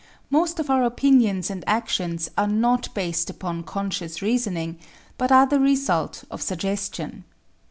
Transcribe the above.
Most of our opinions and actions are not based upon conscious reasoning, but are the result of suggestion.